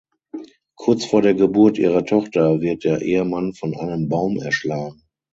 Kurz vor der Geburt ihrer Tochter wird der Ehemann von einem Baum erschlagen.